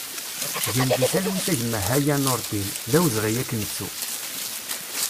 Gen di talwit a gma Haya Nureddin, d awezɣi ad k-nettu!